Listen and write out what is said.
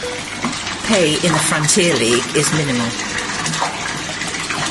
Pay in the Frontier League is minimal.